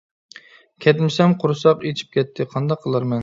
كەتمىسەم قۇرساق ئىچىپ كەتتى، قانداق قىلارمەن.